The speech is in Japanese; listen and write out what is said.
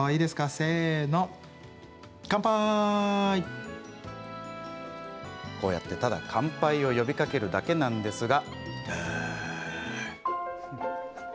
せーのこうやって、ただ乾杯を呼びかけるだけなんですが。